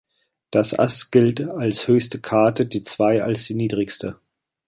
Das Ass gilt als höchste Karte, die Zwei als die niedrigste.